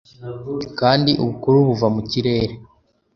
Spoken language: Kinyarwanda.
Kandi ubukuru buva mu kirere